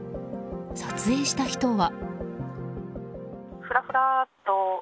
撮影した人は。